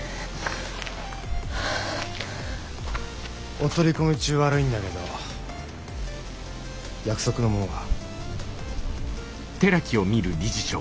お取り込み中悪いんだけど約束のもんは？